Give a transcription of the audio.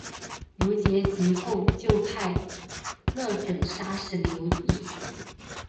刘粲及后就派靳准杀死刘乂。